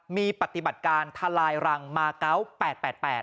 มีปฏิบัติการทลายรังมาเกาะ๘๘๘